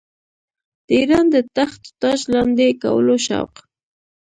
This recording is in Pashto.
د اېران د تخت و تاج لاندي کولو شوق.